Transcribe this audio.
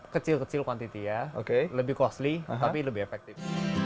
kecil kecil kuantiti ya lebih costly tapi lebih efektif